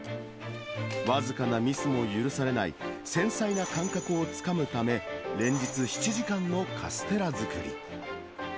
僅かなミスも許されない繊細な感覚をつかむため、連日７時間のカステラ作り。